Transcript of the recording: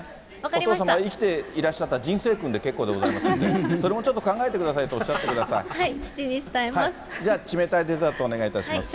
お父様、生きていらっしゃった人生訓で結構でございますんで、それもちょっと考えてくださいと父に伝えます。